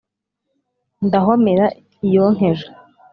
ndahomera iyonkeje